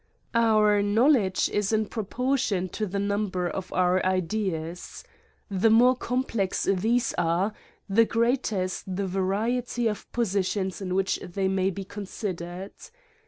Our knowledge is in proportion to the number of our ideas. The more complex these are, the greater is the variety of positions in which thej^ may be considered.